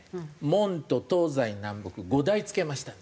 門と東西南北５台付けました。